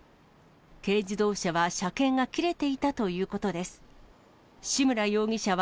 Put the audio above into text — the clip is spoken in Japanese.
軽自動車は車検が切れていたということです。